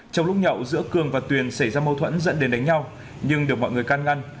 trong lúc nhậu giữa cường và tuyền xảy ra mâu thuẫn dẫn đến đánh nhau nhưng được mọi người can ngăn